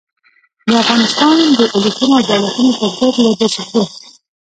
د افغانستان د اولسونو او دولتونو پر ضد له دسیسو.